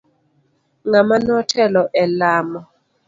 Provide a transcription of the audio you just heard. Ng'ama notelo elamo.